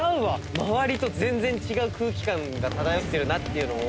周りと全然違う空気感が漂ってるなってのを感じますね。